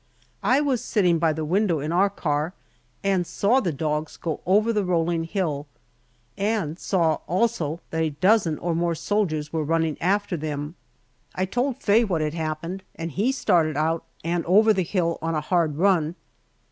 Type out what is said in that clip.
I was sitting by the window in our car and saw the dogs go over the rolling hill, and saw also that a dozen or more soldiers were running after them. I told Faye what had happened, and he started out and over the hill on a hard run.